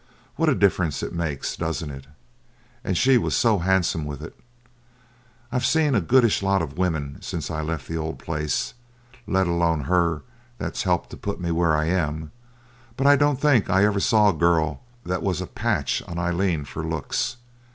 What a difference it makes, doesn't it? And she was so handsome with it. I've seen a goodish lot of women since I left the old place, let alone her that's helped to put me where I am, but I don't think I ever saw a girl that was a patch on Aileen for looks.